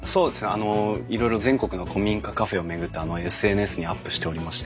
あのいろいろ全国の古民家カフェを巡ってＳＮＳにアップしておりまして。